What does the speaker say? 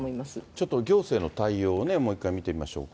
ちょっと行政の対応をもう一回見てみましょうか。